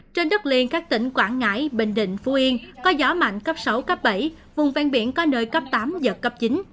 trên đất liền các tỉnh quảng ngãi bình định phú yên có gió mạnh cấp sáu cấp bảy vùng ven biển có nơi cấp tám giật cấp chín